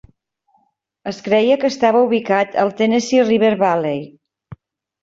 Es creia que estava ubicat al Tennessee River Valley.